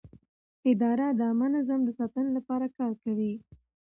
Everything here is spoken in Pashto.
اداره د عامه نظم د ساتنې لپاره کار کوي.